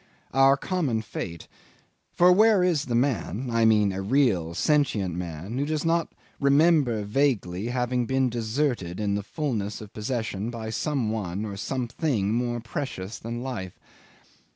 Our common fate ... for where is the man I mean a real sentient man who does not remember vaguely having been deserted in the fullness of possession by some one or something more precious than life?